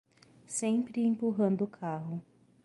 Sempre empurrando o carro